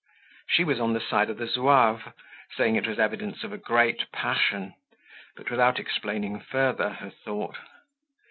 She was on the side of the Zouave, saying it was evidence of a great passion, but without explaining further her thought.